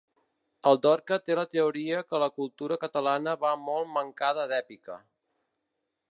El Dorca té la teoria que la cultura catalana va molt mancada d'èpica.